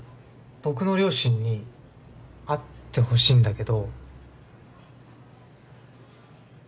僕の両親に会ってほしいんだけど。